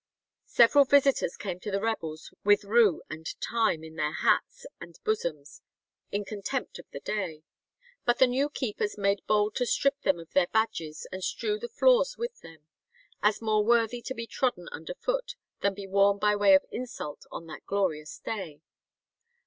Several visitors came to the rebels with rue and thyme in their hats and bosoms in contempt of the day; but the new keepers made bold to strip them of their badges and strew the floors with them, "as more worthy to be trodden underfoot than be worn by way of insult on that glorious day."